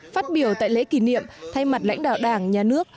phát biểu tại lễ kỷ niệm thay mặt lãnh đạo đảng nhà nước